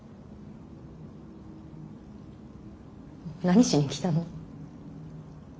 何しに来たの。